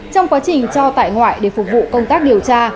trong quá trình cho tại ngoại để phục vụ công tác điều tra